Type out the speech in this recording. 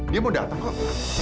dia mau dateng kok